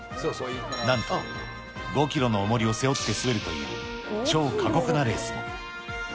なんと５キロのおもりを背負って滑るという超過酷なレースも。